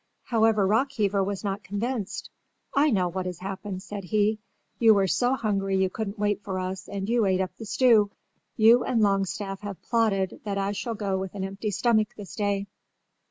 However, Rockheaver was not convinced. "I know what has happened," said he. "You were so hungry you couldn't wait for us and you ate up the stew. You and Longstaff have plotted that I shall go with an empty stomach this day."